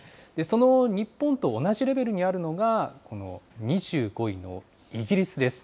その日本と同じレベルにあるのが、２５位のイギリスです。